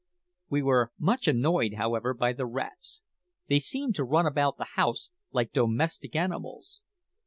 We were much annoyed, however, by the rats: they seemed to run about the house like domestic animals.